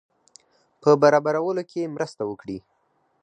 په برابرولو کې مرسته وکړي.